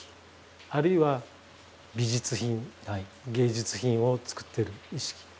あるいは美術品芸術品をつくってる意識。